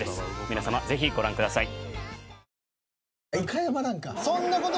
皆様是非ご覧ください。